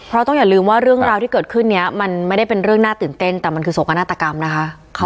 เพราะต้องอย่าลืมว่าเรื่องราวที่เกิดขึ้นนี้มันไม่ได้เป็นเรื่องน่าตื่นเต้นแต่มันคือโศกนาฏกรรมนะคะ